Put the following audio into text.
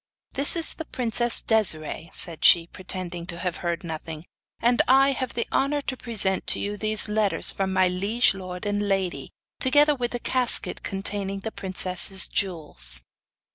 'This is the princess Desiree,' said she, pretending to have heard nothing, 'and I have the honour to present to you these letters from my liege lord and lady, together with the casket containing the princess' jewels.